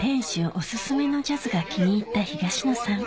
お薦めのジャズが気に入った東野さん